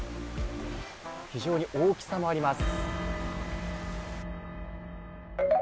非常に大きさもあります。